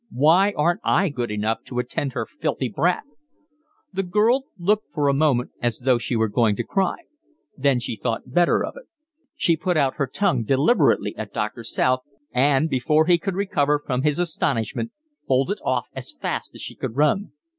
Why aren't I good enough to attend her filthy brat?" The little girl looked for a moment as though she were going to cry, then she thought better of it; she put out her tongue deliberately at Doctor South, and, before he could recover from his astonishment, bolted off as fast as she could run.